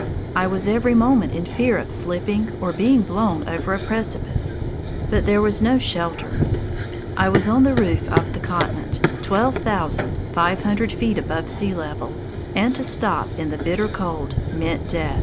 I was every moment in fear of slipping or being blown over a precipice, but there was no shelter; I was on the roof of the continent, twelve thousand five hundred feet above sea level, and to stop in the bitter cold meant death.